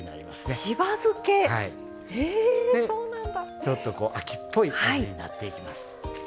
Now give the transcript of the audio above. でちょっとこう秋っぽい味になっていきます。